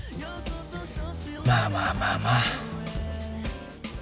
まあまあまあまあ。